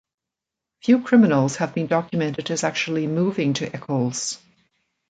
Few criminals have been documented as actually moving to Echols.